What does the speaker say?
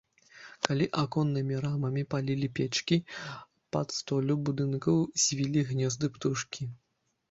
Калі аконнымі рамамі палілі печкі, пад столлю будынкаў звілі гнёзды птушкі.